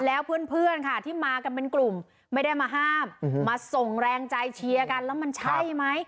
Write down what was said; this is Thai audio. แล้วเพื่อนค่ะที่มากันเป็นกลุ่มไม่ได้มาห้ามมาส่งแรงใจเชียร์กันแล้วมันใช่ไหม